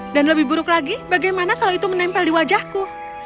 dan lebih buruk lagi bagaimana kalau itu menempel di wajahku